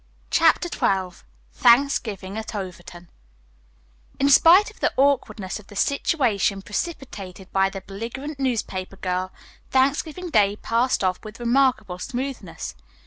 CHAPTER XII THANKSGIVING AT OVERTON In spite of the awkwardness of the situation precipitated by the belligerent newspaper girl, Thanksgiving Day passed off with remarkable smoothness.